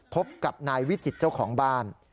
พบกับนายวิจิตรเจ้าของบ้าน